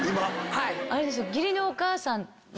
はい。